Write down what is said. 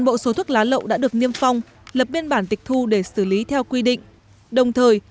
bộ số thuốc lá lậu đã được niêm phong lập biên bản tịch thu để xử lý theo quy định đồng thời